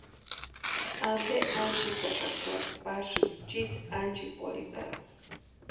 ¿Ampe ánchitatakwari pasïni chiiti ánchikwarhitarhu?